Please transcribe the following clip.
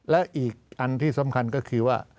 และอีกอันที่สำคัญก็คือว่า